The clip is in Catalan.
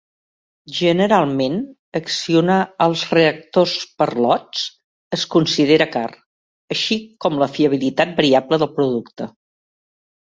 Generalment, accionar els reactors per lots es considera car, així com la fiabilitat variable del producte.